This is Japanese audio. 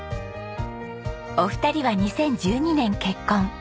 お二人は２０１２年結婚。